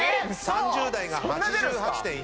３０代が８８．１キロ。